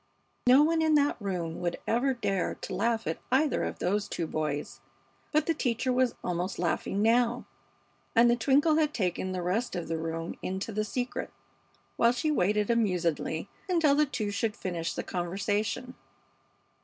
No one in that room would ever dare to laugh at either of those two boys. But the teacher was almost laughing now, and the twinkle had taken the rest of the room into the secret, while she waited amusedly until the two should finish the conversation.